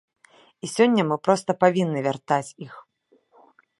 І сёння мы проста павінны вяртаць іх.